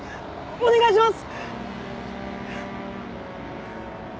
お願いします！